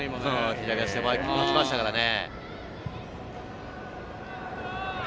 左足で前に向きましたからね。